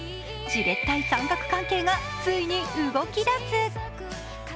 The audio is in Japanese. じれったい三角関係がついに動き出す。